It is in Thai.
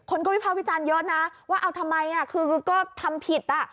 คนก็วิภาควิจารณ์เยอะนะว่าเอาทำไมคือก็ทำผิดอ่ะ